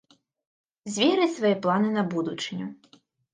Зверыць свае планы на будучыню.